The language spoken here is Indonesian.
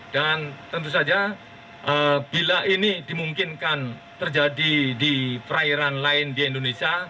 dan tentu saja bila ini dimungkinkan terjadi di perairan lain di indonesia